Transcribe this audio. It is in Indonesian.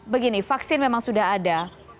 begini vaksin memang sudah ada